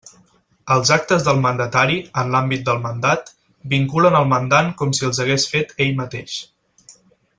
Els actes del mandatari, en l'àmbit del mandat, vinculen el mandant com si els hagués fet ell mateix.